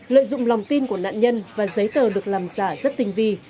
lợi dụng lòng tin của nạn nhân và giấy tờ được làm giả rất tinh vi